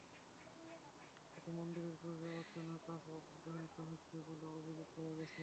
এতে মন্দিরের পূজা অর্চনার কাজ ব্যাহত হচ্ছে বলে অভিযোগ পাওয়া গেছে।